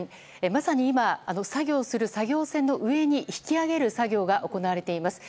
まさに今、作業する作業船の上に引き揚げる作業が行われています。